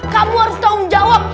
kamu harus tahu jawab